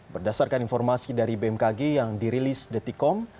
berdasarkan informasi dari bmkg yang dirilis detikom